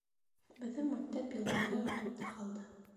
Беҙҙең мәктәп йылдары артта ҡалды